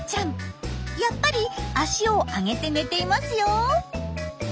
やっぱり足を上げて寝ていますよ。